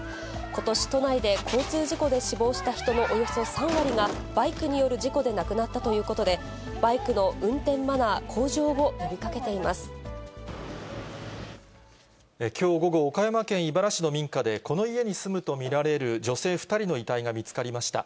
ことし、都内で交通事故で死亡した人のおよそ３割が、バイクによる事故で亡くなったということで、バイクの運転マナー向上を呼びかけていきょう午後、岡山県井原市の民家で、この家に住むと見られる女性２人の遺体が見つかりました。